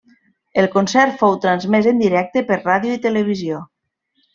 El concert fou transmès en directe per ràdio i televisió.